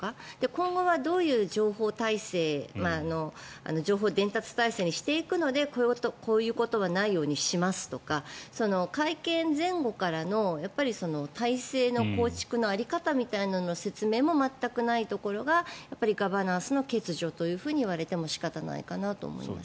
今後はどういう情報体制情報伝達体制にしていくのでこういうことはないようにしますとか会見前後からの体制の構築の在り方みたいなものの説明も全くないところがガバナンスの欠如と言われても仕方ないかなと思います。